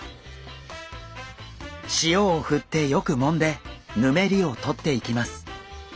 塩を振ってよくもんでぬめりを取っていきます。